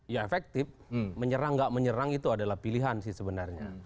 ya efektif menyerang nggak menyerang itu adalah pilihan sih sebenarnya